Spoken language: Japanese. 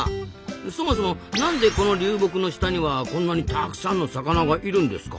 そもそもなんでこの流木の下にはこんなにたくさんの魚がいるんですか？